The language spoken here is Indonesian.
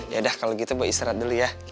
yaudah kalau gitu boy istirahat dulu ya